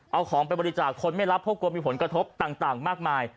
เอาของไปบริจาคคนไม่รับเพราะกลัวมีผลกระทบต่างมากมาย